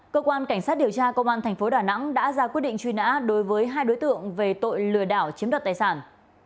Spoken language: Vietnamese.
cơ quan cảnh sát điều tra công an tp đà nẵng đã ra quyết định truy nã đối với hai đối tượng về tội lừa đảo chiếm đoạt tài sản